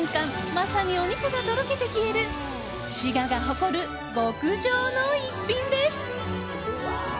まさにお肉がとろけて消える滋賀が誇る極上の一品です。